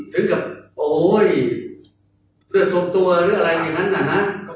ถึงเมื่อเลือดฝกตัวหรืออะไรอยู่นั้นน่ะครับ